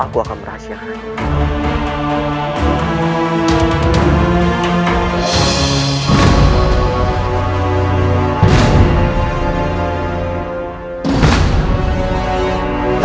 aku akan merahsiakanmu